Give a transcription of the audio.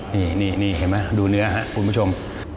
นี่เห็นไหมดูเนื้อครับคุณผู้ชม